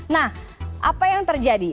nah apa yang terjadi